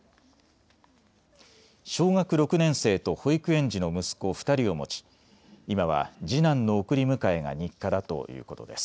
小学６年生と保育園児の息子２人を持ち今は次男の送り迎えが日課だということです。